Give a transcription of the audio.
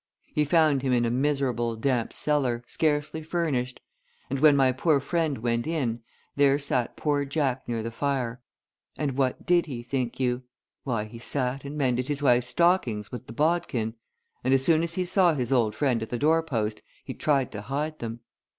He found him in a miserable, damp cellar, scarcely furnished; and when my poor friend went in, there sat poor Jack near the fire, and what did he, think you? why he sat and mended his wife's stockings with the bodkin; and as soon as he saw his old friend at the door post, he tried to hide them.